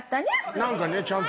何かねちゃんと。